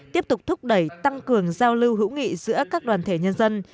tiếp tục thúc đẩy tăng cường giao lưu hữu nghị giữa các đoàn thể nhân dân